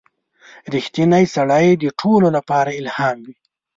• رښتینی سړی د ټولو لپاره الهام وي.